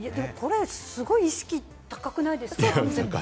これすごい意識高くないですか？